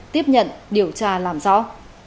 tiếp nhận điều tra làm rõ